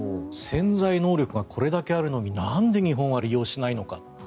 潜在能力がこれだけあるのになんで日本は利用しないのか。